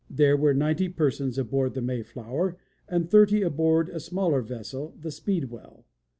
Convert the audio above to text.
There were ninety persons aboard the Mayflower and thirty aboard a smaller vessel, the Speedwell.